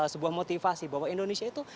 sebuah motivasi bahwa indonesia itu